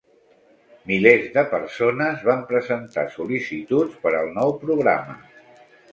Milers de persones van presentar sol·licituds per al nou programa.